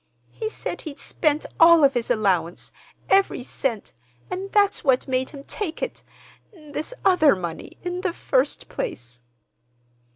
He said he'd spent all of his allowance, every cent, and that's what made him take it—this other money, in the first place."